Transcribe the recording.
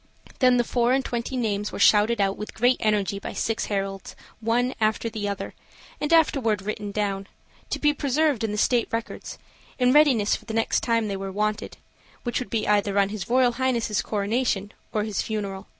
Then the four and twenty names were shouted out with great energy by six heralds, one after the other, and afterward written down, to be preserved in the state records, in readiness for the next time they were wanted, which would be either on his Royal Highness' coronation or his funeral.